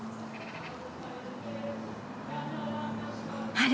・あれ？